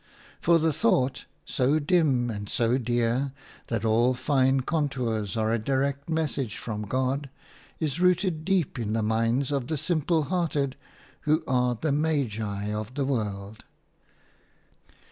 For the thought – so dim and so dear – that all fine contours are a direct message from God, is rooted deep in the minds of the simple hearted, who are the Magi of the world.